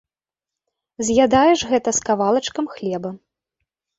З'ядаеш гэта з кавалачкам хлеба.